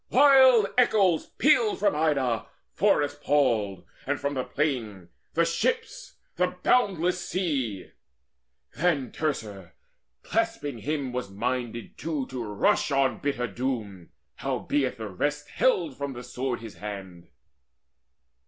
Wild echoes pealed from Ida forest palled, And from the plain, the ships, the boundless sea. Then Teucer clasping him was minded too To rush on bitter doom: howbeit the rest Held from the sword his hand.